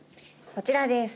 こちらです。